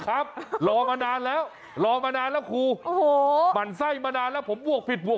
คือผมพร้อมบวกมากคนละบวกลูก